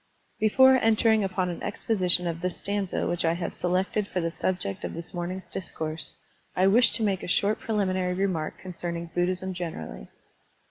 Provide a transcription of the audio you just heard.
BEFORE entering upon an exposition of this stanza which I have selected for the subject of this morning's discourse, I wish to make a short preliminary remark concerning Buddhism generally.